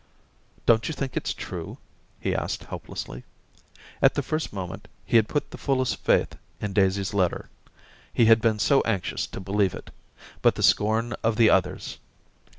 * Don't you think it's true?' he asked helplessly. At the first moment he had put the fullest faith in Daisy's letter, he had been so anxious to believe it ; but the scorn of the others.